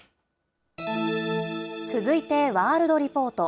続いてワールドリポート。